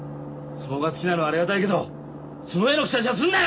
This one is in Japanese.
相撲が好きなのはありがたいけど相撲への口出しはすんなよ！